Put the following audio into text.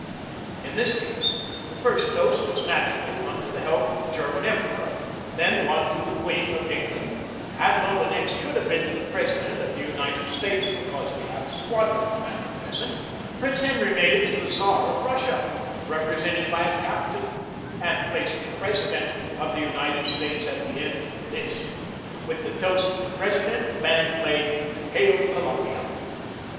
In this case the first toast was naturally one to the health of the German Emperor, then one to the Queen of England ; and though the next should have been to the President of the United States because we had a squadron commander present, Prince Henry made it to the Czar of Russia, represented by a captain, and placed the President of the United States at the end of the list. With the toast to the President the band played "Hail, Columbia."